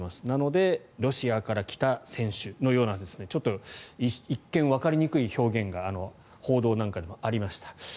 なのでロシアから来た選手のような一見わかりにくい表現が報道なんかでもありました。